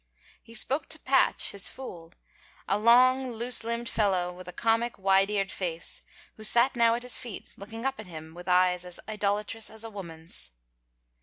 He spoke to Patch, his fool, a long, loose limbed fellow, with a comic, wide eared face, who sat now at his feet, looking up at him with eyes as idolatrous as a woman's.